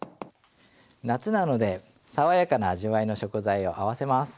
夏なので爽やかな味わいの食材を合わせます。